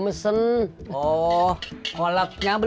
satu segelit portland ya ya